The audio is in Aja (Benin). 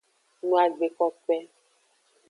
No agbe kokoe.